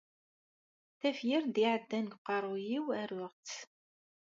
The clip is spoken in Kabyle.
Tafyirt i d-iɛeddan deg uqerruy-iw, aruɣ-tt.